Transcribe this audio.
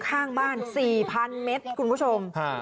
ข้างบ้านสี่พันเมตรคุณผู้ชมค่ะ